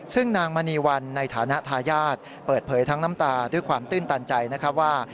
ซึ่งนางมณีวันในฐานะทายาทเปิดเผยทั้งน้ำตาด้วยความตื้นตันใจนะครับว่า